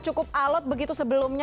cukup alot begitu sebelumnya